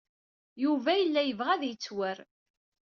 Yuba yella yebɣa ad yettwer.